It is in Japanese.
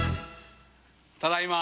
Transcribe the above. ただいま。